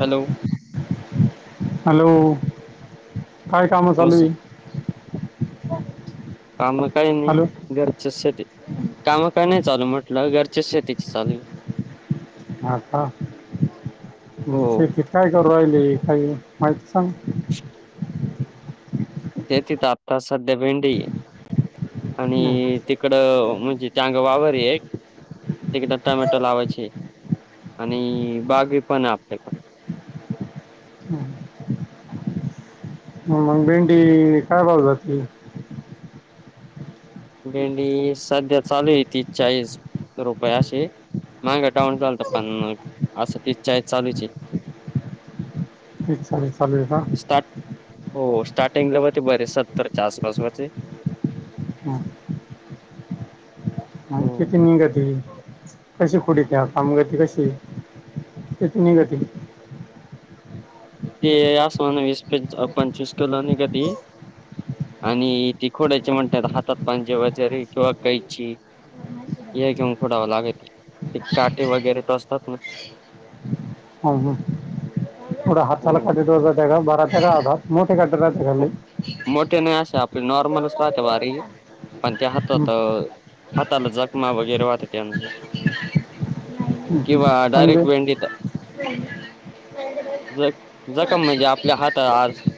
Hello hello काय काम हो चालू सर आहे हॅलो घरचे शेती काम काय नाही चालू म्हटलं घरच्या शेती चालू हा का स हो कि काय करू राहिले काही माहिती सांग ते तथ आताच सध्या भेंडी हं, आणि तिकड म्हणजे त्या अग वावर एक िकदा टमॅटो लावायचे आणि बागी पण आहे आपल्याकडे हं. ह मग भेंडी काय भाऊ जातील भेंडी सध्या चालू आहे ती चाळीस रुपये अशी माग डाऊन झालत पण असं ती ई चालूची च्छा स्टार्ट हो स्टार्टिंगला वती बरे सत्तरच्या आसपासवरती हम आणि हो किती नि का त कशी पुढ त्या कामगती कशी तेत गती ते आ समानस कोणसकला नाही कदी आणि तिखोड्याचे म्हणतात हातात पांजे वगैरे किंवा कैची हे घेऊन थोडा व लागत ते काटे वगैरे तर असतात नाग ह ह कड हात हो सल क दो बरा मोठीे गड्डरते हो खल्ली मोठे नाही असे आपले नॉर्मलच राहते वारी पण ते हं, हहातात हाताला जखमा वगैरे वात त्यां किंवा डायरेक्ट भेंडी तर ह ज जखम म्हणजे आपल्या हात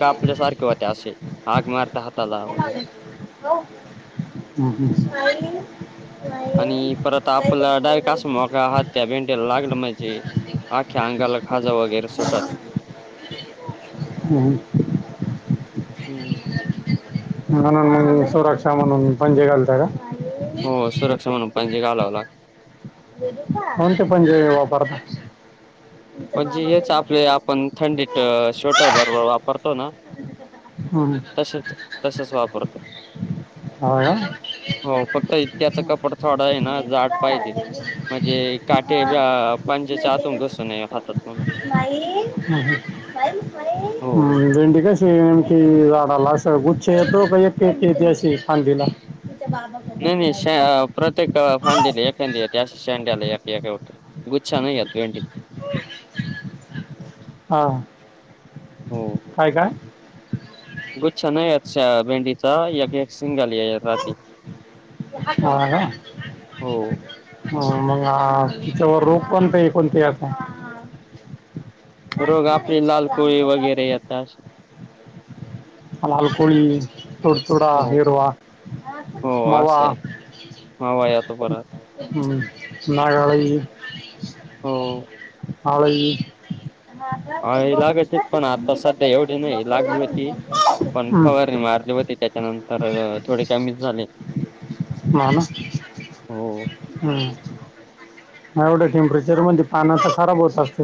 का आपल्या सारख तिव ते आशीे आग मारता हातलाे हो हम् हम् आणि परत आपला डाव कासं मग हत्या भेंड्याला लागलं म्हणजे आख्या अंगाला खाजं वगैरे सुटात हम् हम्म म्हणून म्हणजे सुरक्षा म्हणून पणजे घालत का हो सुरक्षा म्हणून पणजे घालावं लाग कोणते पणजे वापरता म्हणजे हेच आपले आपण थंडी श्वेटर बरोबर वापरतो ना हो तसेच तसच वापरतो हो हो फक्त इत्याचं कपड थोडा आहे ना झाड पाहिजे म्हणजे काठे बांज्याच्या हतून घसून नाहीय हातातण फई फई फई हो हो. हम्म भेंडी कशी नेमकी झाडाला अस गुच्छ येतो का एक एक येत अशी खांदीला तिथ बा नाही नाही श प्रत्येक फांदीला एखादी त्या शँडला एक उत गुचछ नाही येतलोेंट हा हो काय काय गुच्छा नाही आहेत भेंडीचा या गेट सिंगाली राती हो का ह हो मग त्याच्यावर रोख कोणत कोणते असं रोग आपली लाल कोोळी वगैरे येत लालकळी तुड ुड हो इवा हो मवा असं मावा येतो परत हम्म मळला हो हलाज हा हे लागतच पण आता सध्या एवढी नाही लागली होती पण हं, फवार नाही मारली होती त्याच्यानंतर थोडे कमी झाले ब ना हो हम् एवढं टेम्परेचर म्हणजे पाना तर खराब होत असत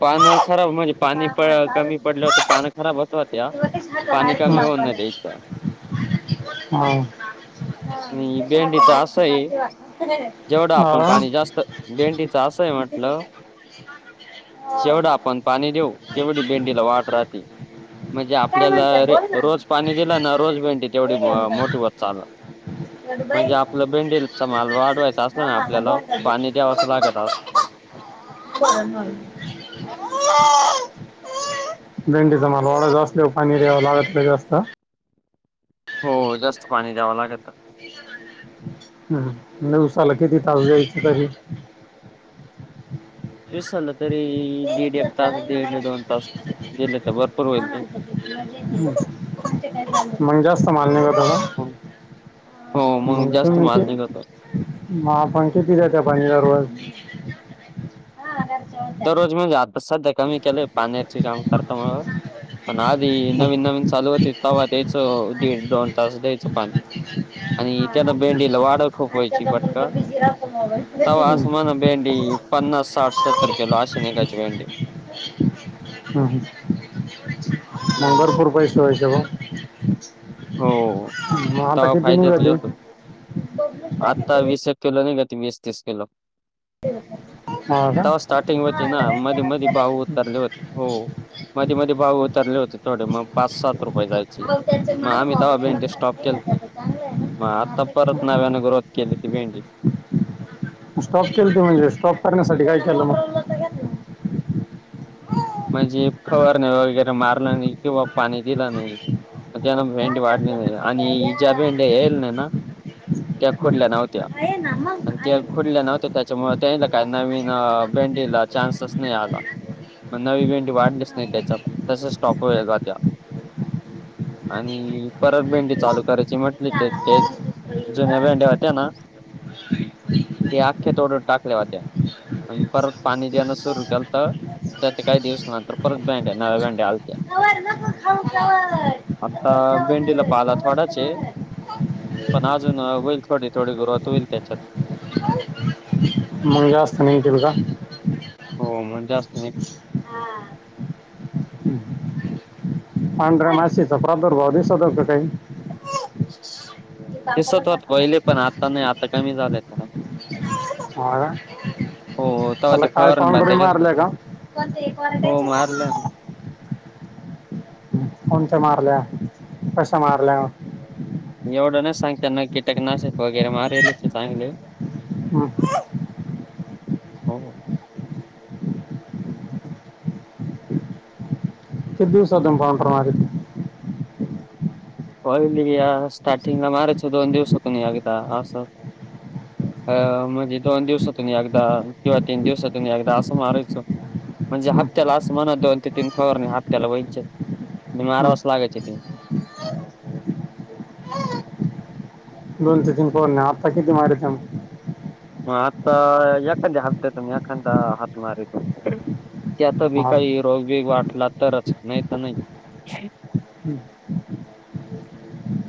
पान खराब म्हणजे पाणी प कमी पडलं होतं पान खराब होत हो त्या हो आणि भेंडीच असं आहे जेवढं आपण हा पाणी जास्त भेंडीच असं आहे म्हटलं [unintelligible] जेवढा आपण पाणी देऊ तेवढी भेंडीला वाट राहते म्हणजे आपल्याला रे रोज पाणी दिलं ना रोज भेंडी तेवढी मोठी होत चाल म्हणजे आपलं बेंडीचा माल वाढवायचा असला ना आपल्याला पाणी द्यावचं लागत अस ह हो भंडीचा मला वाडा जास्त पाणी द्यावं लागत जास्त हो जास्त पाणी द्यावं लागत [unintelligible] हम् उऊसाल कती तवीजयथ तरी तस झालं तरी दीड एक तास, दीड दोन तास गेले तर भरपूर होईल मग जास्त माल्य का तुला हो, हो, मग जास्त माल निघतो. [unintelligible] म आपण किती द्यायचं पाणी दररोज दररोज म्हणजे आता सध्या कमी केलय पाण्याचे काम करत मग पण आधी नवीन हम्म. नवीन चालू होती तवा द्यायच दीड, दोन तास द्यायचं पाणी. आणि त्यान भेंडीला वाड खूप व्हायची फक्त तवा आस म्हणा भेंडी ते पन्नास, साठ, सत्तर किलो आशन एकाची भेंडी हम ह हं, नंबरपूर पैसे वये का? हो, म आता तेव्हा कीतीन फायद्यात जातील? गेलतो. आता वीस एक किलो नाही का वीस, तीस किलो. हा तवा का स्टार्टिंग होती ना मध्ये मध्ये भाव उतरले होते. हो मध्ये मध्ये भाव उतरले होते थोडे मग पाच, सात रुपये जायचे. मग आम्ही तव्हा भेंडी स्टॉप केलती मग आता परत नव्यानें ग्रोथ केली ती भेंडी. स्टॉप केलती म्हणजे स्टॉप करण्यासाठी काय केलं मग म्हणजे फवारणे वगैरे मारलं नाही किंवा पाणी दिलं नाही म भेंडी वाढली नाही आणि हि ज्या भेंडी येल नाही ना त्या खोडल्या नव्हत्या आणि ते खुडले नव्हत्या त्याच्यामुळे त्याला काही नवीन बँंडीला चान्सस नाही आला मग नवींटी वाढलीस नाही त्याच्या तसच स्टॉप वल का त्या आणि परत भेंडी चालू करायची म्हटली ते ते जुन्या भेंढ्या होत्या ना ते आख्या तोडून टाकल्या होत्या. आणि परत पाणी देणं सुरू केलत. तर ते काही दिवस नंतर परत भ्यान भेंड्या आलत्या. [inaudible] [inaudible] आता भेंडीला पाला थोडाच हे पण अजून होईल थोडी थोडी सुरवात होईल त्याच्यात मग जास्तीन येतील का? हो म जास्त मिळतील. हा [unintelligible] दिसत होत पहिले पण आता नाही आता कमी झाले खर आ तवा त्याला ते काय फवारणी पावडर बंद केल मारल्या का? हो मारलंय ना. कोणत्या मारल्या कशा मारल्या? एवढं नाही सांगता येणार कीटक नाशक वगैरे मारेलच हाय चांगले. हम हो ते दिवसादं पाउंटर मारितो. होइल या स्टार्टिंग ला मारायच दोन दिवस त नाही आगित असत. अ म्हणजे दोन दिवसातून एकदा किंवा तीन दिवसातूनही एकदा असं मारायचं. म्हणजे हम्म. हप्त्याला असं म्हणत दोन ते तीन फवार हप्त्याला व्हायचे म्हनजे हम्म. माराव्याच लागायचे ते. दोन ते तीन फवार नाही आत्ता किती मारीता मग? म आता येकांद्या हप्त्यातून येकांदा हात मारीतो. त्यात बी हा काही हम्म. रोगबीग वाटला तरच नाही तर नाही. हम्म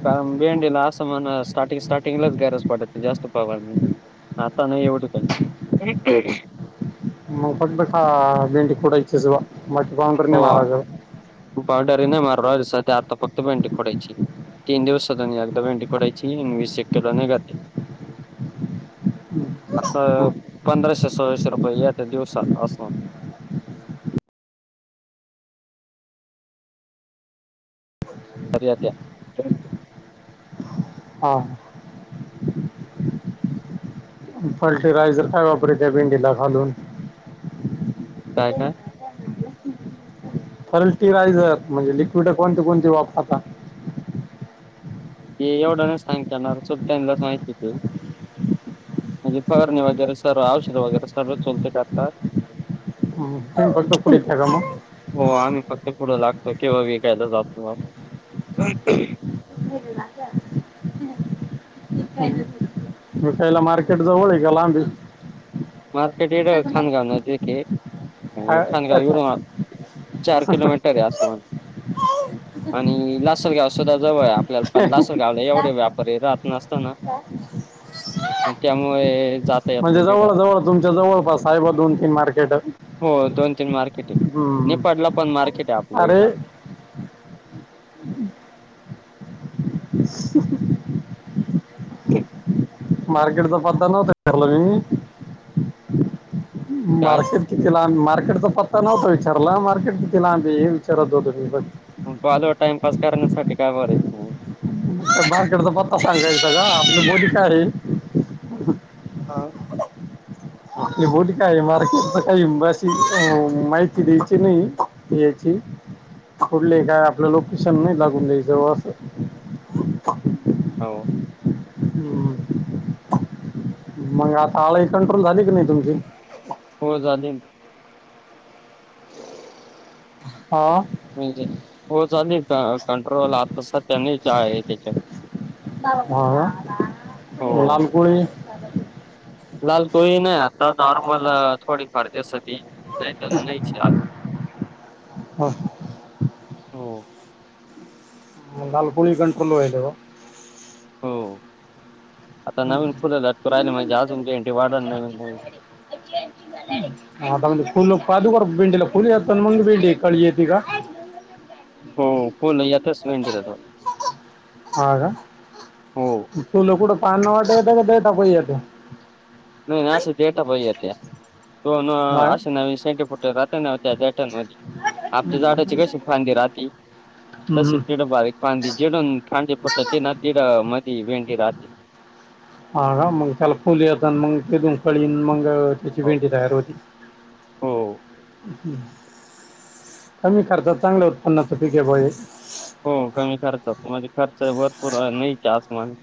कारण भेंडीला असं म्हण स्टार्टिंग स्टार्टिंगलाच गरज पडते जास्त फवारणी आता नाही एवढं काही. [unintelligible] पावडर हाय ना मारणार आता फक्त भेंडी खोडायची. [unintelligible] असं हम्म. पंधराशे, सोळाशे रुपये येतात दिवसात अस. पररय त्या हो फर्टिलायझर काय वापरत त्या भेंडीला घालून काय काय फल्टिरायझर म्हणजे लिक्विड कोणते कोणती वापरतात ते एवढं नाही सांग करणार सुद्ास माहिती त ीपगणी वगैरे सर औषध वगैर सळ चोलते काता ह कलत कुडीी ठ मग आणि पक् पुढं लागत किंवा विकायला जात मी खाला मार्केट जवळ आहे का लांबी मार्केट एढ छान का नाजे क आणि काय- थानगावी वरून काय- आत चार किलोमीटर आहे आसान. आणि लासल गाव सुद्धा जवळाय आपल्याला पण लास गावला एवढे व्यापारी राहत नसतो ना त्यामुळे जाता येत म्हणजे नाही तिथं. जवळ जवळ तुमच्या जवळपास साहेब दोन तीन मार्केट हो दोन तीन मार्केट आहे नेपाळला पण मार्केट आहे आपलं इडं अरे [unintelligible] तर मार्केटचा पत्ता नव्हत झालो मी काय? मारकेट किती लांब मार्केटचा पत्ता नव्हता विचारला मार्केट किती लांबी हे विचारत होतो मी पाल टाइमपास करण्यासाठी काय बरायचं म बार्केडचा पत्ता सांगायचा का आपली बली काय रे. हां. बट काय मार्केट का अशी माहिती द्यायची नाही याची कुठले काय आपलं लोकेशन नाही लागून द्यायचं असं. ह. हो. मग आता आळाई कंट्रोल झाली की नाही तुमची? हो झाले. हा. म्हणजे हो चालेली कंट्रोलला आ तस त्यांनी का आहे त्याच्या हा. हो. लाल कोळी लाल तोळी नाही आता नॉर्मल थोडी फडतेस त नाही तर नाहीच आ. ह. हो लाल कोुळी गणटलो आहेलेो. हो आता नवीन फुलेलाू राहिले म्हणजे आजमच्या इंटी वाढ नवीन नवीन झा. आता म्हणजे फुल पादू कर भिंडीला फुल यात मग भिंडी कळी येते का? हो पोल यातच वेंटला हा का हो तु ल कुडं पान नं वाटेत का देताा प येत. नाही नाही आ झेडता पैया तो हा आश ना सेट फुट रा ना. ट म आप जाडाची कशी फांदी राहते हम्म, तशी हम्म. त बारी ां जेडून पांे पटतात ते ना तेरा मध्ये वेंडी राहते. हा मग त्याला फली जता मग तेून कळीन मग त्याची हो भेंडी तयार होती. हो. कमी खर्चात चांगल्या उत्पन्नाच पिके पा आहे. हो कमी खर्चतो म्हणजे खर्च भरपूर आहे नाहीचे आसमान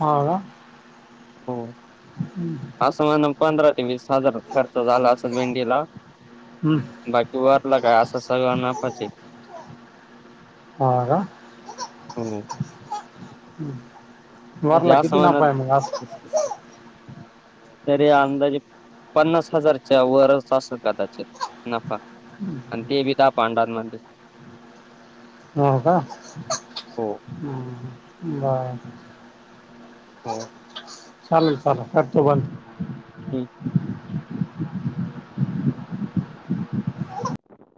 हा. हो. हम्म. असं म्हण पंधरा ते वीस हजार खर्च झाला असल भेंडीला हं. बाकी वाटला काय असं सगळं ना पाचे हो का? हो. हमं. जास् समाज. हो. तरर अंदाजे पन्नास हजारच्या वरच असेल कदाचित नफा आणि ते बी पांडवां मंदिर हो का हो बर हो चाल चालेल करतो बन. [unintelligible]